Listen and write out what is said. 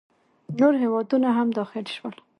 نور هیوادونه هم داخل شول.